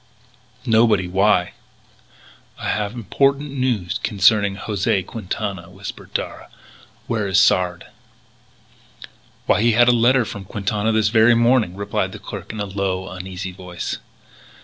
"Nobody. Why?" "I have important news concerning José Quintana," whispered Darragh; "Where is Sard?" "Why, he had a letter from Quintana this very morning," replied the clerk in a low, uneasy voice.